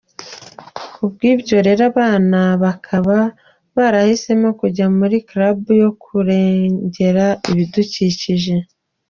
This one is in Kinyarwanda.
Ku bw’ibyo rero abana bakaba barahisemo kujya muri club yo kurengera ibidukikije .